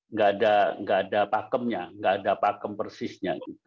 nggak ada pakemnya nggak ada pakem persisnya